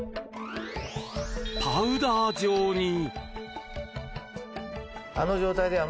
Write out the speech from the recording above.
パウダー状に。